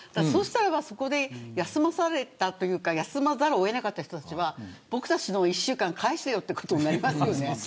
そうしたらば、そこで休まされたというか休まざるを得なかった人たちは僕たちの１週間返せよということになりますよね。